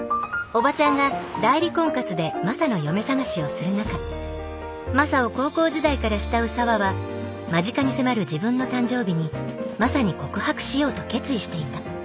オバチャンが代理婚活でマサの嫁探しをする中マサを高校時代から慕う沙和は間近に迫る自分の誕生日にマサに告白しようと決意していた。